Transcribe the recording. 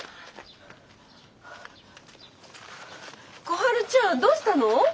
小春ちゃんどうしたの？